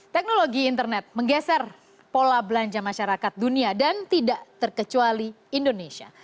teknologi internet menggeser pola belanja masyarakat dunia dan tidak terkecuali indonesia